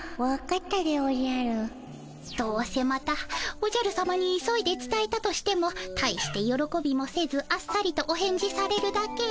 こころのこえどうせまたおじゃるさまに急いでつたえたとしても大してよろこびもせずあっさりとお返事されるだけ。